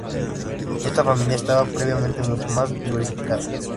Esta familia estaba previamente mucho más diversificada.